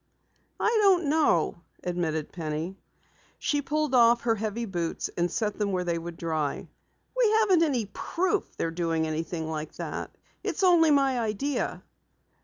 "I don't know," admitted Penny. She pulled off her heavy boots and set them where they would dry. "We haven't any proof they're doing anything like that. It's only my idea."